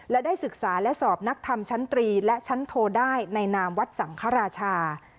และได้ศึกษาและสอบนักธรรมชั้นตรีและชั้นโทได้ในนามวัดสังฆราชา